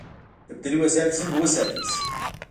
دفتري وسایل څنګه وساتل شي؟